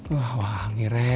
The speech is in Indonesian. wah wangi re